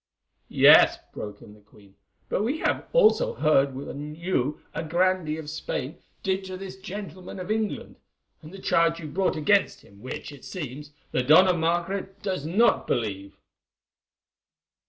"Yes," broke in the queen, "but we have also heard what you, a grandee of Spain, did to this gentleman of England, and the charge you brought against him, which, it seems, the Dona Margaret does not believe."